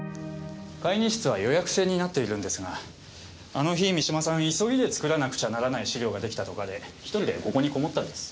会議室は予約制になっているんですがあの日三島さん急いで作らなくちゃならない資料が出来たとかで１人でここにこもったんです。